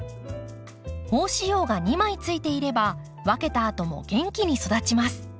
胞子葉が２枚ついていれば分けたあとも元気に育ちます。